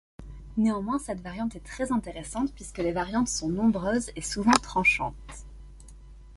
Néanmoins, cette variante est très intéressante puisque les variantes sont nombreuses et souvent tranchantes.